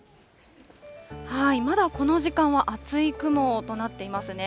まだこの時間は厚い雲となっていますね。